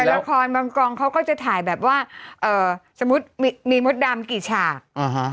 ละครบางกองเขาก็จะถ่ายแบบว่าเอ่อสมมุติมีมีมดดำกี่ฉากอ่าฮะ